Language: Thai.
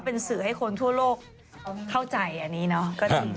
เป็นสื่อให้คนทั่วโลกเข้าใจอันนี้เนาะ